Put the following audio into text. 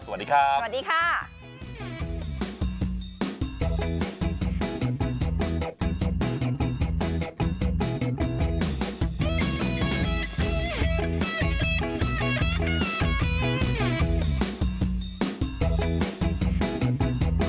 สวัสดีครับ